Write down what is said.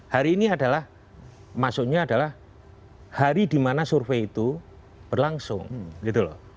hari ini adalah masuknya adalah hari di mana survei itu berlangsung gitu loh